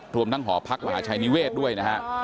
รวมทั้งหอพรักหาชายนิเวศด้วยนะครับ